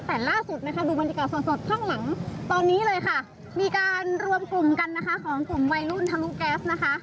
แต่ล่าสุดดูบรรทะก่อสดข้างหลังตอนนี้เลยมีการรวมกลุ่มกันของกลุ่มวัยรุ่น